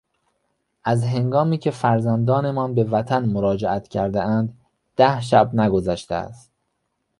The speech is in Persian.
از هنگامی که فرزندانمان به وطن مراجعت کردهاند ده شب نگذشته است.